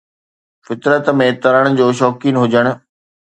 فطرت ۾ ترڻ جو شوقين هجڻ